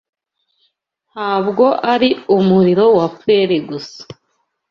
Ntabwo ari umuriro wa prairie gusa?